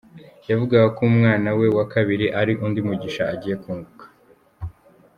Yavugaga ko umwana we wa kabiri ‘ari undi mugisha agiye kunguka’.